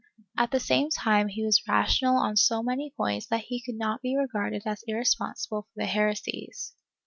At the same time he was rational on so many points that he could not be regarded as irresponsible for his heresies.